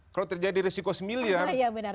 kalau terjadi resiko satu miliar